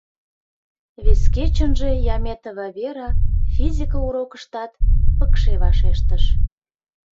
Вес кечынже Яметова Вера физика урокыштат пыкше вашештыш.